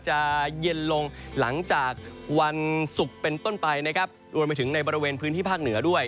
จะเย็นลงหลังจากวันศุกร์เป็นต้นไปนะครับรวมไปถึงในบริเวณพื้นที่ภาคเหนือด้วย